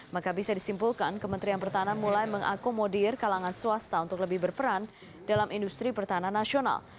maka bisa disimpulkan kementerian pertahanan mulai mengakomodir kalangan swasta untuk lebih berperan dalam industri pertahanan nasional